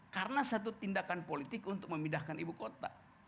karena satu tindakan politik untuk memindahkan ibukota